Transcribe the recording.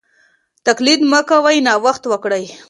تقليد مه کوئ نوښت وکړئ.